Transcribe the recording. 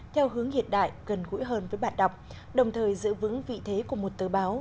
theo hướng hiện đại gần gũi hơn với bạn đọc đồng thời giữ vững vị thế của một tờ báo